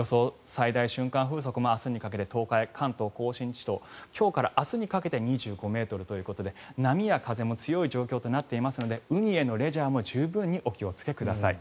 最大瞬間風速も明日にかけて東海、関東・甲信地方今日から明日にかけて２５ｍということで波や風も強い状況となっていますので海へのレジャーも十分お気をつけください。